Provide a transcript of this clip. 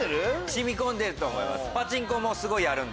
染み込んでると思います。